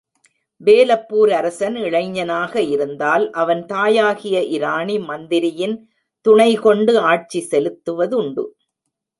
வேலப்பூர் அரசன் இளைஞனாக இருந்தால், அவன் தாயாகிய இராணி மந்திரியின் துணைகொண்டு ஆட்சி செலுத்துவதுண்டு.